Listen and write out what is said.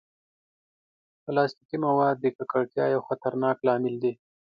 پلاستيکي مواد د ککړتیا یو خطرناک لامل دي.